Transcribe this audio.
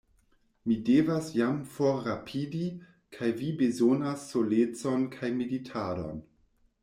Mi devas jam forrapidi; kaj vi bezonas solecon kaj meditadon.